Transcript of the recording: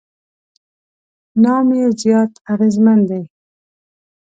نام یې زیات اغېزمن دی.